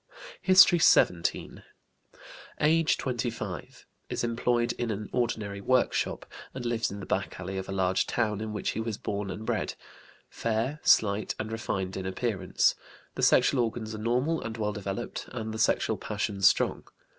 HISTORY XVII. Age 25; is employed in an ordinary workshop, and lives in the back alley of a large town in which he was born and bred. Fair, slight, and refined in appearance. The sexual organs are normal and well developed, and the sexual passions strong.